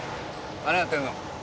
何やってるの？